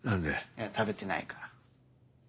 いや食べてないから。